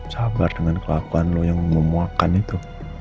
sabar dengan kelakuan lo yang memuakan itu